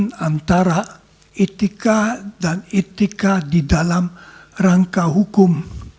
dengan antara etika dan etika di dalam rangka hukum